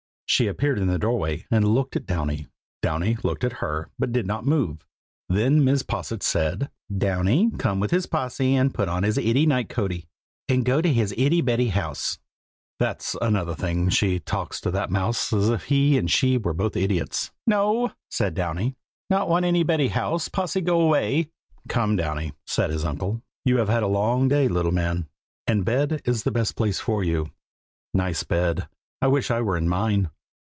She appeared in the doorway and looked at Downy. Downy looked at her, but did not move. Then Mrs. Posset said, "Downy come with his Possy, and put on his ittle nightcoatie, and go to his 'ittle beddy house?" (That's another thing, she always talks to that mouse as if he and she were both idiots). "No!" said Downy. "Not want any beddy house. Possy go away!" "Come, Downy," said his uncle. "You have had a long day, little man, and bed is the best place for you. Nice bed! I wish I were in mine."